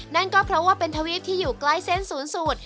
นั่นก็เพราะว่าเป็นทวีปที่อยู่ใกล้เส้นศูนย์สูตร